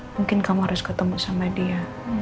mungkin kamu harus ketemu sama dia